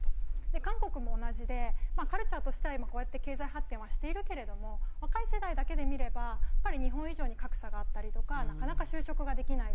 で韓国も同じでまあカルチャーとしては今こうやって経済発展はしているけれども若い世代だけで見ればやっぱり日本以上に格差があったりとかなかなか就職ができないであったりとか。